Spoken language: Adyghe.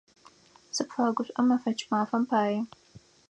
Сыпфэгушӏо мэфэкӏ мафэм пае.